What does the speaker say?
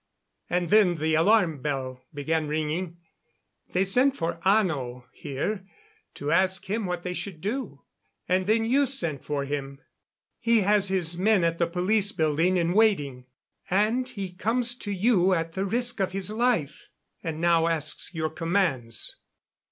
And then the alarm bell began ringing. They sent for Ano, here, to ask him what they should do. And then you sent for him. He has his men at the police building, in waiting. And he comes to you at the risk of his life, and now asks your commands."